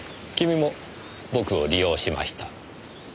君も僕を利用しました。